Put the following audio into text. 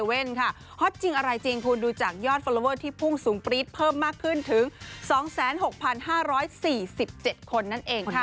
ฮอตจริงอะไรจริงคุณดูจากยอดฟอลลอเวอร์ที่พุ่งสูงปรี๊ดเพิ่มมากขึ้นถึง๒๖๕๔๗คนนั่นเองค่ะ